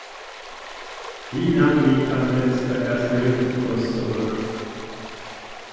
Wie lang liegt dein letzter Erste-Hilfe-Kurs zurück?